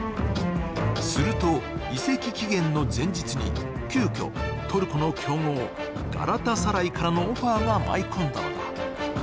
すると、移籍期限の前日に急きょトルコの競合ガラタサライからのオファーが舞い込んだのだ。